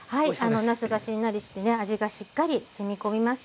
なすがしんなりしてね味がしっかりしみ込みました。